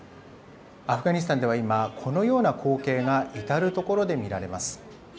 アフガニスタンでは今、このような光景が至る所で見られます。